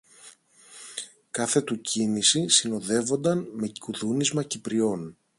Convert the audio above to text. Κάθε του κίνηση συνοδεύονταν με κουδούνισμα κυπριών.